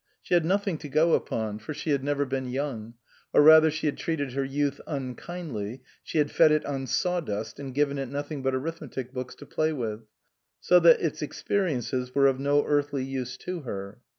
She had nothing to go upon, 303 SUPERSEDED for she had never been young ; or rather she had treated her youth unkindly, she had fed it on saw dust and given it nothing but arithmetic books to play with, so that its experiences were of no earthly use to her.